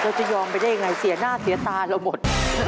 จะยอมไปได้ยังไงเสียหน้าเสียตาเราหมด